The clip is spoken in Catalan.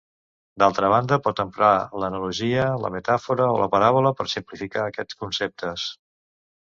D'altra banda pot emprar l'analogia, la metàfora o la paràbola per simplificar aquests conceptes.